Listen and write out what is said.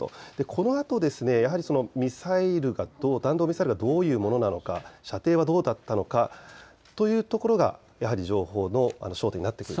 このあとやはり弾道ミサイルがどういうものなのか、射程はどうだったのかというところはやはり情報の焦点になってくると。